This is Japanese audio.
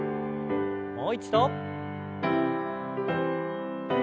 もう一度。